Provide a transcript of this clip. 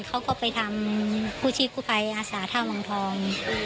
เขาก็ไปทำผู้ชีพผู้ภัยอาศาสตร์ท่าวงทอง